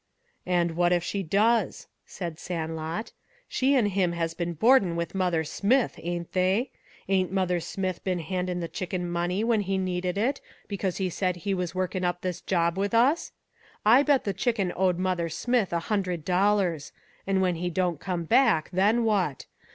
"And what if she does?" said Sandlot. "She and him has been boardin' with Mother Smith, ain't they? Ain't Mother Smith been handin' the Chicken money when he needed it, because he said he was workin' up this job with us? I bet the Chicken owed Mother Smith a hundred dollars, and when he don't come back, then what?